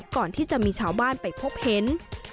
ก่อนที่จะมีชาวบ้านไปพบเห็น